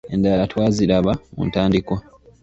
Endala twaziraba mu ntandikwa.